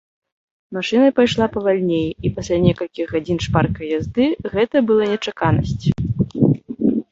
Машына пайшла павальней, і пасля некалькіх гадзін шпаркай язды гэта была нечаканасць.